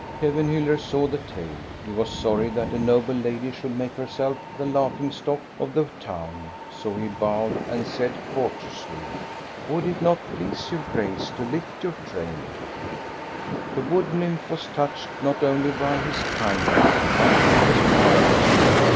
Kevenhiiller saw the tail; he was sorry that a noble lady should make herself the laughing stock of the town ; so he bowed and said courteously :— "Would it not please your Grace to lift your train ?" The wood nymph was touched, not only by his kindness, but by his politeness.